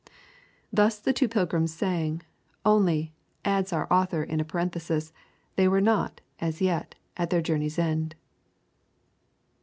Thus the two pilgrims sang: only, adds our author in a parenthesis, they were not, as yet, at their journey's end.